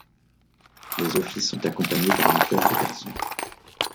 Les offices sont accompagnés par un chœur de garçons.